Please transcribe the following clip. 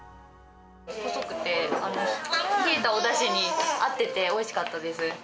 細くて、冷えたおだしに合ってておいしかったです。